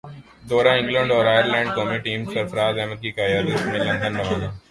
دورہ انگلینڈ اور ائرلینڈ قومی ٹیم سرفرازاحمد کی قیادت میں لندن روانہ